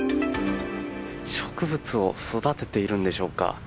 植物を育てているんでしょうか。